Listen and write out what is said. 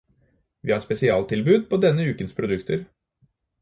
Vi har spesialtilbud på denne ukens produkter.